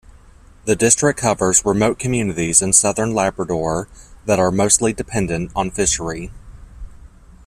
The district covers remote communities in Southern Labrador that are mostly dependent on fishery.